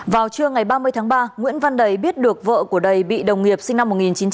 vào trưa ngày ba mươi tháng ba nguyễn văn đầy biết được vợ của đầy bị đồng nghiệp sinh năm một nghìn chín trăm bảy mươi